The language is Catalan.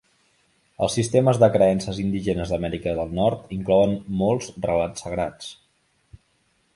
Els sistemes de creences indígenes d'Amèrica del Nord inclouen molts relats sagrats.